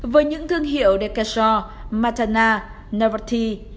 với những thương hiệu decaxor matana navarti